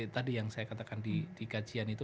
tadi yang saya katakan di kajian itu